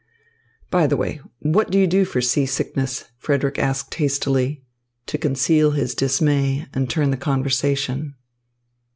"By the way, what do you do for seasickness?" Frederick asked hastily, to conceal his dismay and turn the conversation.